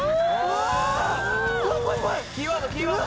キーワードキーワード！